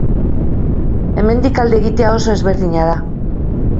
Hemendik alde egitea oso ezberdina da.